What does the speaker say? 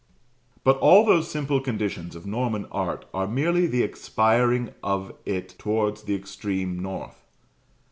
But all those simple conditions of Norman art are merely the expiring of it towards the extreme north.